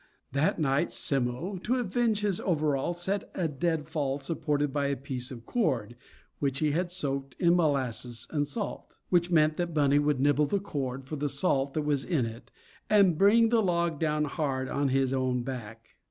That night Simmo, to avenge his overalls, set a deadfall supported by a piece of cord, which he had soaked in molasses and salt. Which meant that Bunny would nibble the cord for the salt that was in it, and bring the log down hard on his own back.